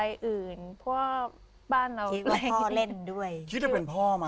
อื่นเพราะว่าบ้านเราคิดว่าเล่นด้วยคิดว่าเป็นพ่อมา